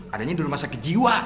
adanya dulu masa kejiwa